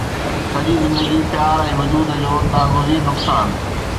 سڄي زندگي پيار ۽ وجود جو ناگزير نقصان